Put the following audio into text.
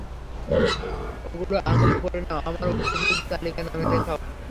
ওগুলো আঙুলে পরে নাও, আমার উত্তরসূরিদের তালিকায় নাম লেখাও!